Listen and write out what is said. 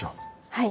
はい。